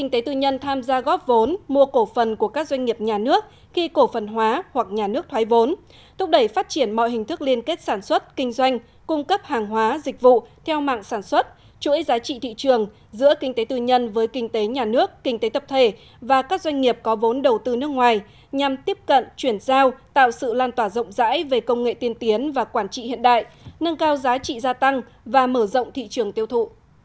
tư nhân tham gia góp vốn mua cổ phần của các doanh nghiệp nhà nước khi cổ phần hóa hoặc nhà nước thoái vốn thúc đẩy phát triển mọi hình thức liên kết sản xuất kinh doanh cung cấp hàng hóa dịch vụ theo mạng sản xuất chuỗi giá trị thị trường giữa kinh tế tư nhân với kinh tế nhà nước kinh tế tập thể và các doanh nghiệp có vốn đầu tư nước ngoài nhằm tiếp cận chuyển giao tạo sự lan tỏa rộng rãi về công nghệ tiên tiến và quản trị hiện đại nâng cao giá trị gia tăng và mở rộng thị trường tiêu thụ